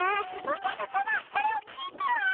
おじゃるさまそれを聞いては。